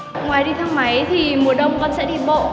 ngoài đi thang máy thì mùa đông con sẽ đi bộ